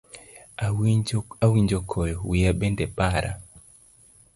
Awinjo koyo, wiya bende bara.